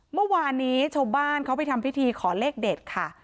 เมื่อวานนี้ชาวบ้านเขาไปทำพิธีขอเลขเด็ดค่ะ